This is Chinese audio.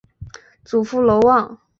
祖父娄旺。